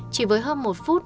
chỉ với hơn một phút